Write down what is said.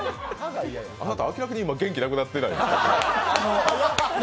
あなた明らかに今、元気なくなってないですか？